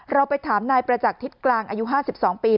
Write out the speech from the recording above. เราไปถามนายประจักษิตกลางอายุ๕๒ปี